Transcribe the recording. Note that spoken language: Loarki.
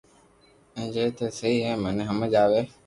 جي تو سھيي ھي مني ھمج آوي